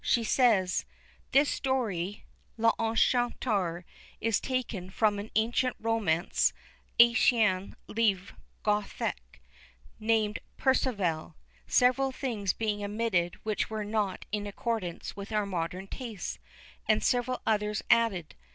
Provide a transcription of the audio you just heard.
She says "This story (L'Enchanteur) is taken from an ancient romance ('ancien livre Gothique') named Perséval, several things being omitted which were not in accordance with our modern tastes, and several others added.